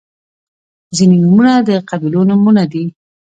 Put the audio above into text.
• ځینې نومونه د قبیلو نومونه دي.